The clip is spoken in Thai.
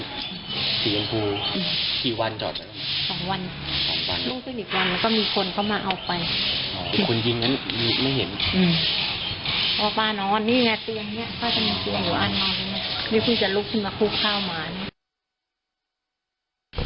นี่คือจะลุกขึ้นมาคู่ข้าวหมา